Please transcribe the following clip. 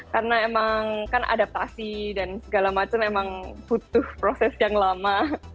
karena emang kan adaptasi dan segala macam emang butuh proses yang lama